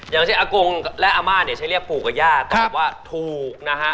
อย่างเช่นอากงและอาม่าเนี่ยใช้เรียกปู่กับย่าแต่แบบว่าถูกนะฮะ